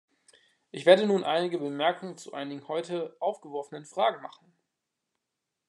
Ich werde nun einige Bemerkungen zu einigen heute aufgeworfenen Fragen machen.